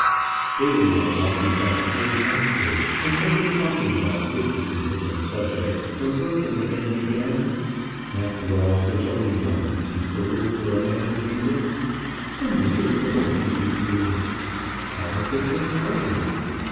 They were now walking back towards Oxford, and had been talking about fifty indifferent subjects, when Bertram again began. "After all, there's only one decent career for a man in England." "And what is the one decent career?" "Politics and Parliament.